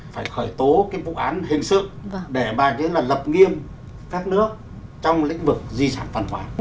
phải khởi tố cái vụ án hình sự để mà lập nghiêm các nước trong lĩnh vực di sản văn hóa